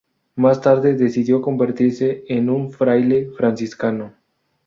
Más tarde decidió convertirse en un fraile franciscano.